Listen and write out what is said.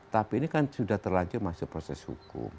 tapi ini kan sudah terlanjur masih proses hukum